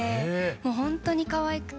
もうほんとにかわいくて。